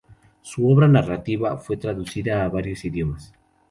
Su obra narrativa fue traducida a varios idiomas.